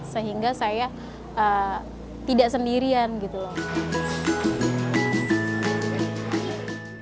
sehingga saya tidak sendirian gitu loh